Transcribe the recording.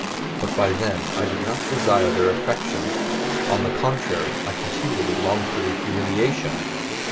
But by then I did not desire their affection: on the contrary, I continually longed for their humiliation.